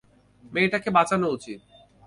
মেয়েটাকে বাঁচানো উচিত।